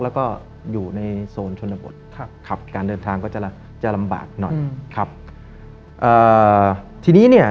แล้วก็อยู่ในโซนชนบท